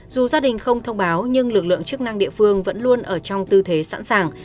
dù gia đình không thông báo nhưng lực lượng chức năng địa phương vẫn luôn ở trong tư thế sẵn sàng